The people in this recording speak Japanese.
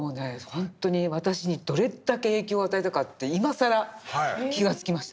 ほんとに私にどれだけ影響を与えたかって今更気がつきました。